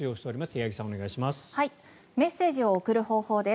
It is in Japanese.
八木さん、お願いします。